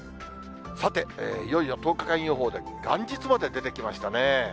さて、いよいよ１０日間予報で、元日まで出てきましたね。